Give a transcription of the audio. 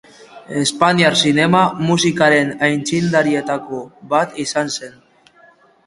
Espainiar zinema musikaren aitzindarietako bat izan zen.